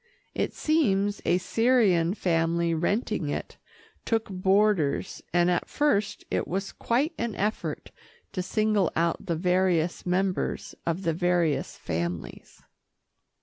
It seems a Syrian family renting it, took boarders, and at first it was quite an effort to single out the various members of the various families.